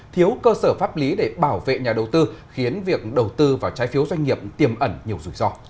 thiếu cơ sở pháp lý để bảo vệ nhà đầu tư khiến việc đầu tư vào trái phiếu doanh nghiệp tiềm ẩn nhiều rủi ro